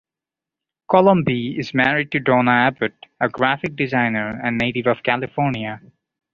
Colomby is married to Donna Abbott, a graphic designer and native of California.